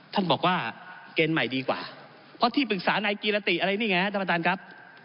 ท่านบอกว่าเกณฑ์ใหม่ดีกว่าเพราะที่ปรึกษานายกีรติอะไรนี่ไงครับท่านประธานครับ